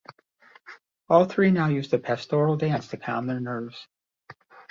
All three now use the pastoral dance to calm their nerves.